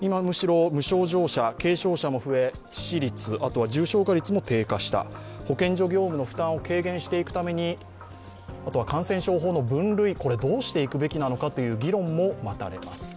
今、むしろ無症状者、軽症者も増え、致死率、重症化率も減少した保健所業務の負担を軽減していくために、あとは感染症法の分類をどうしていくのかという議論も待たれます。